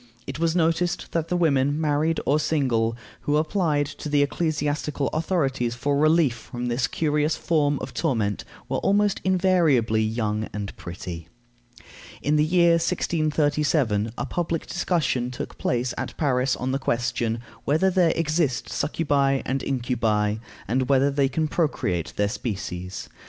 It was noticed that the women, married or single, who applied to the ecclesiastical authorities for relief from this curious form of torment were almost invariably young and pretty. In the year 1637 a public discussion took place at Paris on the question, Whether there exist succubæ and incubi, and whether they can procreate their species?